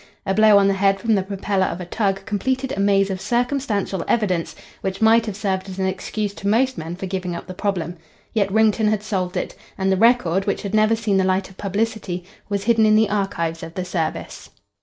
A blow on the head from the propeller of a tug completed a maze of circumstantial evidence which might have served as an excuse to most men for giving up the problem. Yet Wrington had solved it, and the record, which had never seen the light of publicity, was hidden in the archives of the service.